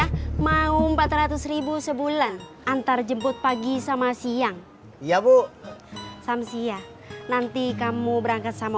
ya mau empat ratus sebulan antar jemput pagi sama siang ya bu samsia nanti kamu berangkat sama